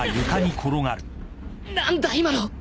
何だ今の！？